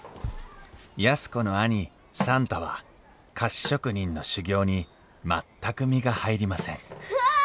安子の兄算太は菓子職人の修業に全く身が入りませんわあ！